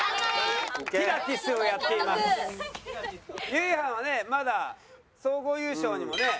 ゆいはんはねまだ総合優勝にもね。